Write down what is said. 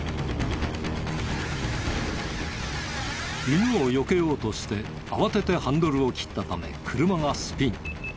犬をよけようとして慌ててハンドルを切ったため車がスピン。